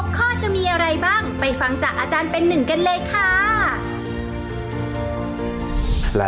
ข้อจะมีอะไรบ้างไปฟังจากอาจารย์เป็นหนึ่งกันเลยค่ะ